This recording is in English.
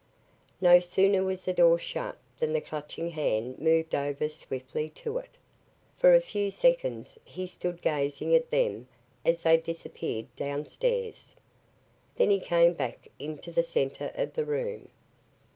No sooner was the door shut than the Clutching Hand moved over swiftly to it. For a few seconds, he stood gazing at them as they disappeared down stairs. Then he came back into the center of the room.